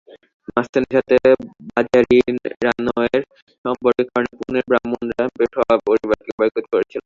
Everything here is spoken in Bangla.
মাস্তানির সাথে বাজিরাওয়ের সম্পর্কের কারণে পুনের ব্রাহ্মণরা পেশোয়া পরিবারকে বয়কট করেছিল।